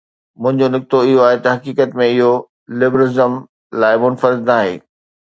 منهنجو نقطو اهو آهي ته، حقيقت ۾، اهو لبرلزم لاء منفرد ناهي.